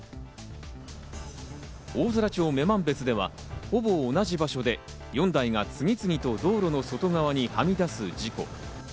大空町女満別ではほぼ同じ場所で４台が次々と道路の外側にはみ出す事故。